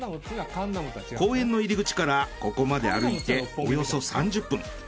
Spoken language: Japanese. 公園の入り口からここまで歩いておよそ３０分。